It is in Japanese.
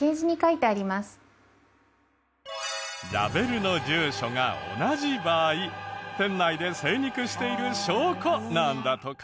ラベルの住所が同じ場合店内で精肉している証拠なんだとか。